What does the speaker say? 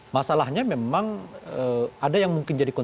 masalahnya memang ada yang mungkin jadi konsumen